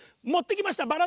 もってきました